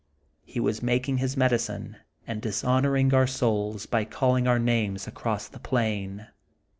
He was making his medicine, and dishonor ing our souls, by calling our names across the plain.